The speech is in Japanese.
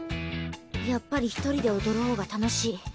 やっぱり一人で踊る方が楽しい。